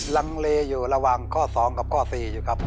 ลังเลอยู่ระหว่างข้อ๒กับข้อ๔อยู่ครับ